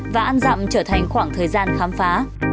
và ăn dặm trở thành khoảng thời gian khám phá